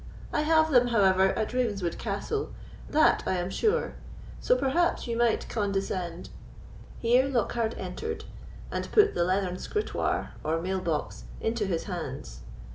I have them, however, at Ravenswood Castle, that I am sure; so perhaps you might condescend——" Here Lockhard entered, and put the leathern scrutoire, or mail box, into his hands.